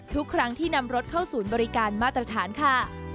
ทุกครั้งที่นำรถเข้าศูนย์บริการมาตรฐานค่ะ